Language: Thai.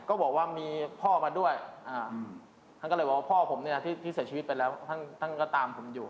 ก็บอกว่ามีพ่อมาด้วยท่านก็เลยบอกว่าพ่อผมเนี่ยที่เสียชีวิตไปแล้วท่านก็ตามผมอยู่